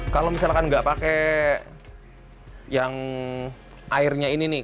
kalau misalkan nggak pakai yang airnya ini nih